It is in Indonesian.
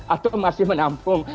atau masih menampung